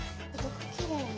きれいな。